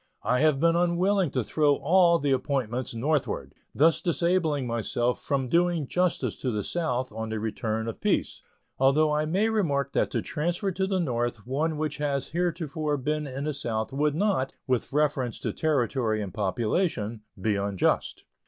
I have been unwilling to throw all the appointments northward, thus disabling myself from doing justice to the South on the return of peace; although I may remark that to transfer to the North one which has heretofore been in the South would not, with reference to territory and population, be unjust.